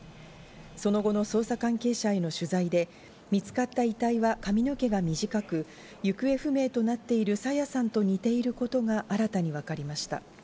その後の捜査関係者への取材で、見つかった遺体は髪の毛が短く、行方不明となっている朝芽さんと似ていることが新たに分かりました。